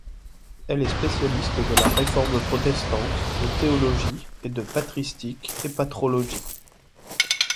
Elle est spécialiste de la Réforme protestante, de théologie et de patristique et patrologie.